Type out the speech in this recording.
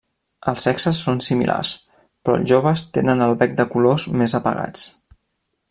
Els sexes són similars, però els joves tenen el bec de colors més apagats.